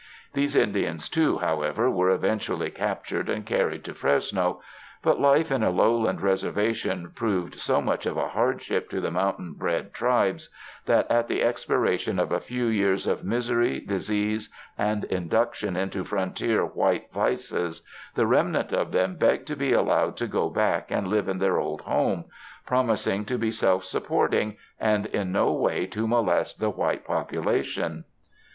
These Indians, too, however, were eventually captured and carried to Fresno ; but life in a lowland reservation proved so much of a hardship to the mountain bred tribes, that at the expiration of a few years of misery, disease, and induction into frontier white vices, the remnant of them begged to be allowed to go back and live in their old home, promising to be self supporting and in no way to molest the white population.